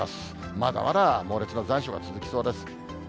まだまだ猛烈な残暑が続きそうです。